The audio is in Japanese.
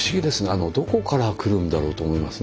あのどこからくるんだろうと思いますね。